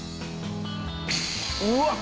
うわっ！